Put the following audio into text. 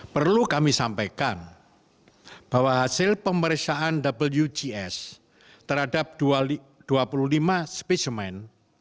perlu kami sampaikan bahwa hasil pemeriksaan wgs terhadap dua puluh lima spesimen